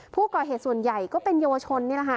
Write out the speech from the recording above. ผู้ก่อเหตุส่วนใหญ่ก็เป็นเยาวชนเนี่ยแหละค่ะ